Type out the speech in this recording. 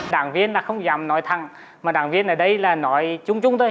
đảng viên là không dám nói thẳng mà đảng viên ở đây là nói chung chung thôi